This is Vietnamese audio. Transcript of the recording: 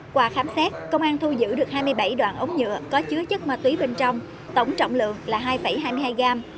qua khám xét công an thu giữ được hai mươi bảy đoạn ống nhựa có chứa chất ma túy bên trong tổng trọng lượng là hai hai mươi hai g